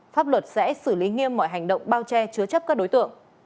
pháp luật sẽ xử lý nghiêm mọi hành động bao che chứa chấp các đối tượng